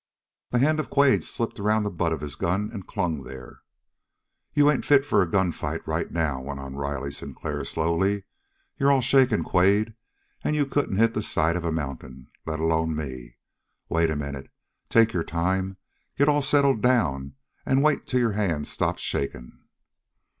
The hand of Quade slipped around the butt of his gun and clung there. "You ain't fit for a gun fight right now," went on Riley Sinclair slowly. "You're all shaking, Quade, and you couldn't hit the side of the mountain, let alone me. Wait a minute. Take your time. Get all settled down and wait till your hand stops shaking."